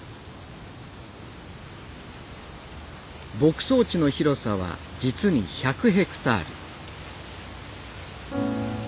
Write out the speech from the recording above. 牧草地の広さは実に１００ヘクタール